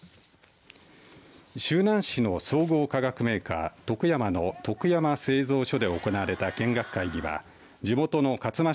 周南市の総合化学メーカー、トクヤマの徳山製造所で行われた見学会には地元の勝間